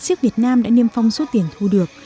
siếc việt nam đã niêm phong số tiền thu được